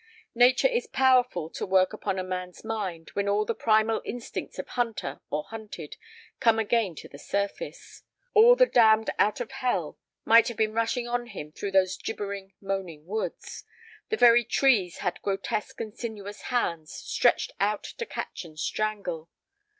Nature is powerful to work upon a man's mind when all the primal instincts of hunter or hunted come again to the surface. All the damned out of hell might have been rushing on him through those gibbering, moaning woods. The very trees had grotesque and sinuous hands stretched out to catch and strangle.